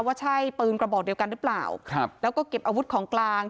ว่าใช่ปืนกระบอกเดียวกันหรือเปล่าครับแล้วก็เก็บอาวุธของกลาง